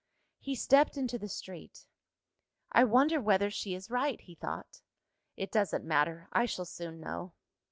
He stepped into the street. "I wonder whether she is right?" he thought. "It doesn't matter; I shall soon know."